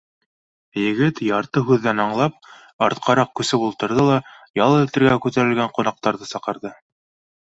Егет, ярты һүҙҙән аңлап, артҡараҡ күсеп ултырҙы ла ял итергә күтәрелгән ҡунаҡтарҙы саҡырҙы: